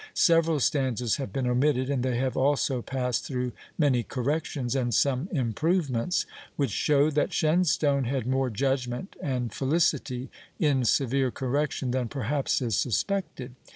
Several stanzas have been omitted, and they have also passed through many corrections, and some improvements, which show that Shenstone had more judgment and felicity in severe correction than perhaps is suspected.